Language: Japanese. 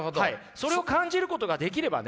それを感じることができればね